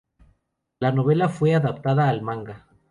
La novela fue adaptada al manga.